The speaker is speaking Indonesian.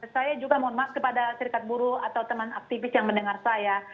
saya juga mohon maaf kepada serikat buruh atau teman aktivis yang mendengar saya